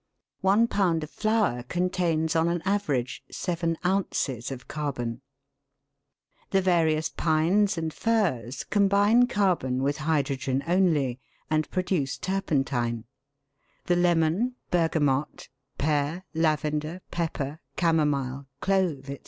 One pound of flour contains on an average seven ounces of carbon. The various pines and firs combine carbon with hydrogen only, and produce turpentine; the lemon, berga mot, pear, lavender, pepper, camomile, clove, &c.